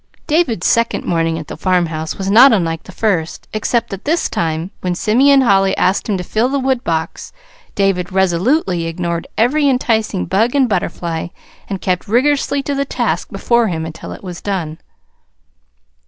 David's second morning at the farmhouse was not unlike the first, except that this time, when Simeon Holly asked him to fill the woodbox, David resolutely ignored every enticing bug and butterfly, and kept rigorously to the task before him until it was done.